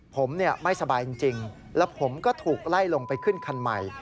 ผมไม่สบายจริงแล้วผมก็ถูกไล่ลงไปขึ้นคันใหม่